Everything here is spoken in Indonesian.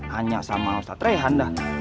tanya sama ustadz rehan dah